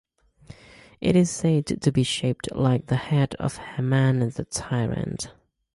It is said to be shaped like the hat of Haman the tyrant.